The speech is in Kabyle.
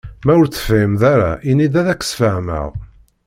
Ma ur t-tefhimeḍ ara ini-d ad ak-d-sfehmeɣ.